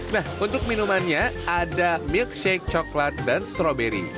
nah untuk minumannya ada milkshake coklat dan stroberi